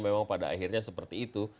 memang pada akhirnya seperti itu